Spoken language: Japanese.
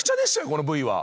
このＶは。